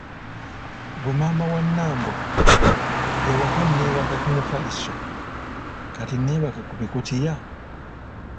Gwe maama wa Nambo, ewaka nebaka ku mufaliso kati nebake ku bikutiya?”